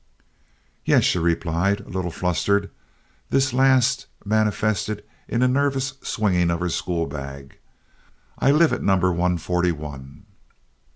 "Yes," she replied, a little flustered—this last manifested in a nervous swinging of her school bag—"I live at number one forty one."